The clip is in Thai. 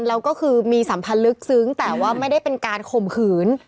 แล้วก็คือมีสัมพันธ์ลึกซึ้งแต่ว่าไม่ได้เป็นการข่มขืน